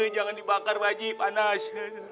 jangan dibakar pak haji panas